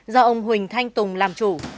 do ông huỳnh thanh tùng làm chủ